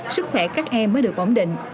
sức khỏe các em mới được ổn định